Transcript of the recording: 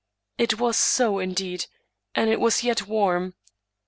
" It was so, indeed, and it was yet warm.